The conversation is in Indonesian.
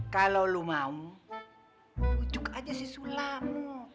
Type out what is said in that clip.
kalau lo mau tunjuk aja si sulam